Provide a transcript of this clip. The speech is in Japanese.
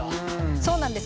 そうなんです。